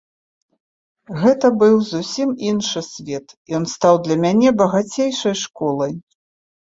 Гэта быў зусім іншы свет, ён стаў для мяне багацейшай школай.